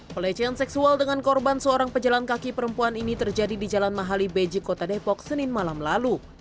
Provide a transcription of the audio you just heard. pelecehan seksual dengan korban seorang pejalan kaki perempuan ini terjadi di jalan mahali beji kota depok senin malam lalu